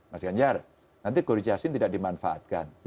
mas ganjar nanti guru jiahsin tidak dimanfaatkan